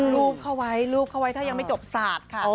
รูปเขาไว้รูปเข้าไว้ถ้ายังไม่จบศาสตร์ค่ะ